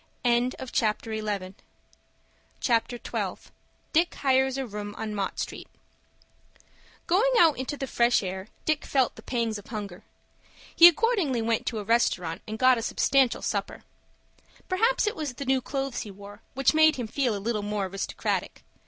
CHAPTER XII. DICK HIRES A ROOM ON MOTT STREET Going out into the fresh air Dick felt the pangs of hunger. He accordingly went to a restaurant and got a substantial supper. Perhaps it was the new clothes he wore, which made him feel a little more aristocratic.